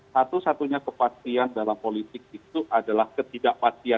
satu satunya kepastian dalam politik itu adalah ketidakpastian